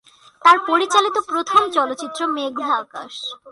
তার পরিচালিত প্রথম চলচ্চিত্র মেঘলা আকাশ।